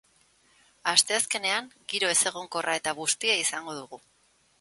Asteazkenean giro ezegonkorra eta bustia izango dugu.